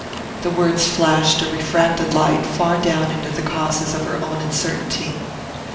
The words flashed a refracted light far down into the causes of her own uncertainty.